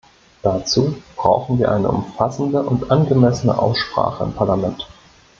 Dazu brauchen wir eine umfassende und angemessene Aussprache im Parlament.